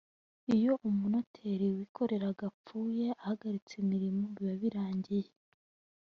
iyo umunoteri wikorera apfuye ahagaritse imirimo biba birangiye